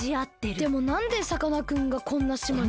でもなんでさかなクンがこんな島に？